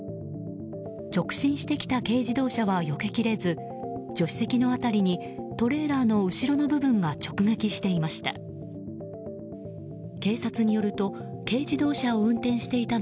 直進してきた軽自動車はよけきれず助手席の辺りにトレーラーの後ろの部分が直撃していました。